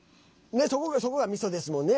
そこが、みそですもんね。